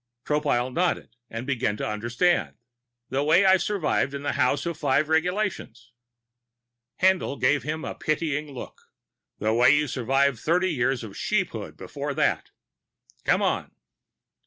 Tropile nodded, beginning to understand. "The way I survived the House of the Five Regulations." Haendl gave him a pitying look. "The way you survived thirty years of Sheephood before that. Come on."